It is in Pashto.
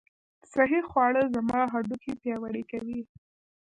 صحي خواړه زما هډوکي پیاوړي کوي.